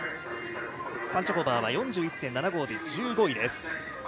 パンチョホバーは４１．７５で１５位です。